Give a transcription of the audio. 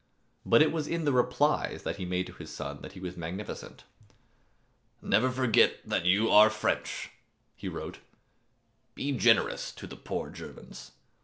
But it was in the replies that he made to his son that he was magnificent. "Never forget that you are French," he wrote. "Be generous to the poor Germans.